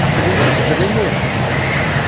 Aql-iyi ttetteɣ imir-a.